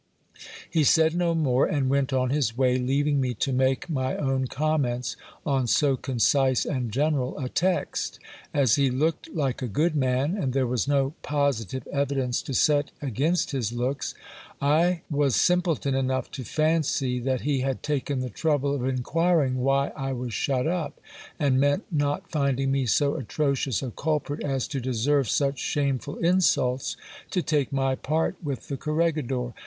He said no more, and went on his way, leaving me to make my own comments on so concise and general a text. As he looked like a good man, and there was no positive evidence to set against his looks, I was simpleton enough to fancy that he had taken the trouble of inquiring why I was shut up ; and meant, not finding me so atrocious a culprit as to deserve such shameful insults, to take my part with the corregidor.